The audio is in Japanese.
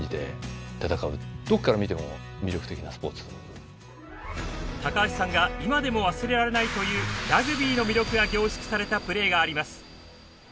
どっから見ても高橋さんが今でも忘れられないというラグビーの魅力が凝縮されたプレーがあります。